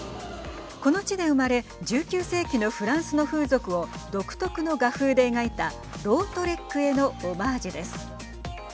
この地で生まれ１９世紀のフランスの風俗を独特の画風で描いたロートレックへのオマージュです。